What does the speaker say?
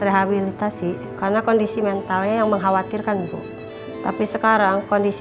rehabilitasi karena kondisi mentalnya yang mengkhawatirkan bu tapi sekarang kondisi